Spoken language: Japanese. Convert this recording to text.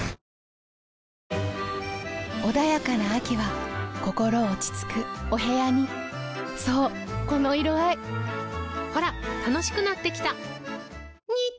穏やかな秋は心落ち着くお部屋にそうこの色合いほら楽しくなってきた！